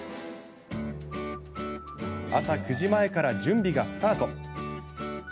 朝９時前から準備がスタート。